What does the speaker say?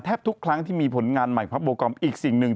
ทุกครั้งที่มีผลงานใหม่พระโบกอมอีกสิ่งหนึ่ง